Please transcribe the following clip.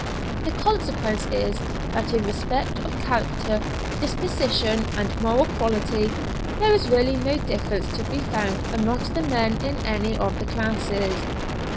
The consequence is, that in respect of character, disposition and moral quality, there is really no difference to be found amongst the men in any of the classes.